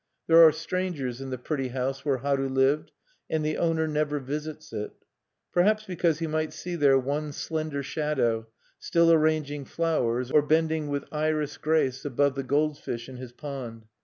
There are strangers in the pretty house where Haru lived; and the owner never visits it. Perhaps because he might see there one slender shadow, still arranging flowers, or bending with iris grace above the goldfish in his pond.